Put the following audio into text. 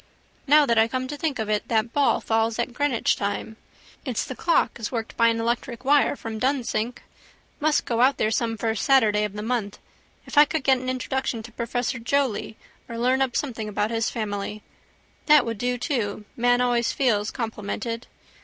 Now that I come to think of it that ball falls at Greenwich time. It's the clock is worked by an electric wire from Dunsink. Must go out there some first Saturday of the month. If I could get an introduction to professor Joly or learn up something about his family. That would do to: man always feels complimented.